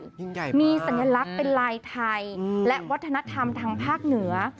ยิ่งใหญ่มีสัญลักษณ์เป็นลายไทยและวัฒนธรรมทางภาคเหนือ